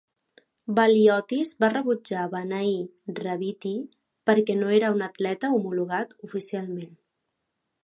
Veliotis va rebutjar beneir Revithi perquè no era un atleta homologat oficialment.